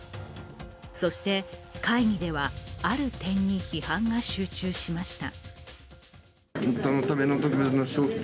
そして会議では、ある点に批判が集中しました。